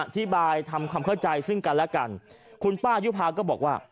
ทำความเข้าใจซึ่งกันและกันคุณป้ายุภาก็บอกว่า